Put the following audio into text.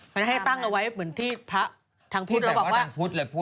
มันให้ตั้งเอาไว้เหมือนที่พระทางพุทธเราบอกว่า